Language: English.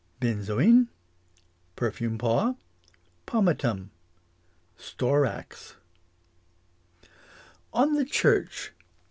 Benzoin Perfume paw Pomatum Storax On the church.